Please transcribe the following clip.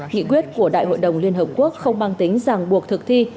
nghị quyết của đại hội đồng liên hợp quốc không mang tính giảng buộc thực thi